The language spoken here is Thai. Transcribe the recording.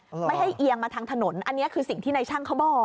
ไม่ให้เอียงมาทางถนนอันนี้คือสิ่งที่ในช่างเขาบอก